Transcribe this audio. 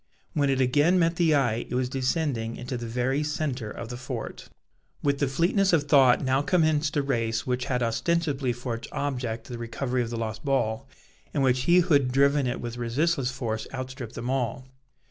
When it again met the eye, it was descending into the very centre of the fort. With the fleetness of thought now commenced a race which had ostensibly for its object the recovery of the lost ball, and in which he who had driven it with resistless force outstripped them all.